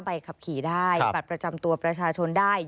ใบขับขี่ได้บัตรประจำตัวประชาชนได้